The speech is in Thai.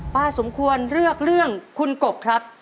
สมควรเลือกเรื่องคุณกบครับ